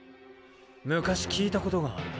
昔聞いたことがあるな。